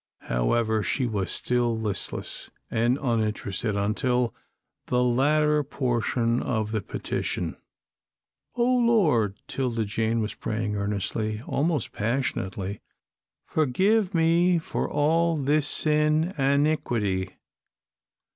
However, she was still listless and uninterested, until the latter portion of the petition. "O Lord," 'Tilda Jane was praying earnestly, almost passionately, "forgive me for all this sin an' 'niquity.